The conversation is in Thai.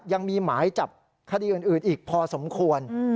ยังมีหมายจับคดีอื่นอีกพอสมควร